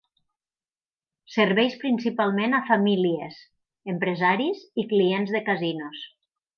Serveix principalment a famílies, empresaris i clients de casinos.